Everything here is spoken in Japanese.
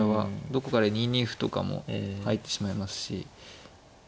どこかで２二歩とかも入ってしまいますし。